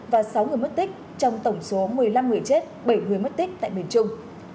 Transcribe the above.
và sáu người mất tích trong tổng số một mươi năm người chết bảy người mất tích tại miền trung